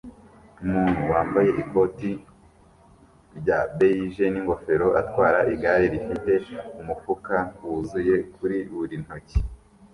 Umuntu wambaye ikoti rya beige n'ingofero atwara igare rifite umufuka wuzuye kuri buri ntoki